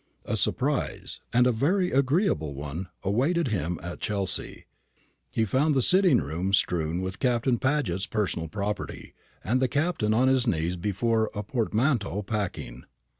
A surprise, and a very agreeable one, awaited him at Chelsea. He found the sitting room strewn with Captain Paget's personal property, and the Captain on his knees before a portmanteau, packing.